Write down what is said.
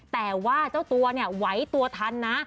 แต่ว่าเจ้าตัวน่ะเหว่าว่าไว้ตัวทันนะ